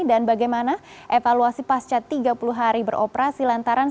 dan bagaimana evaluasi pasca tiga puluh hari beroperasi lantaran